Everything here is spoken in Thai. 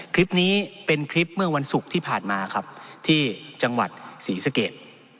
คลิปนี้เป็นคลิปเมื่อวันศุกร์ที่ผ่านมาครับที่จังหวัดศรีสเกต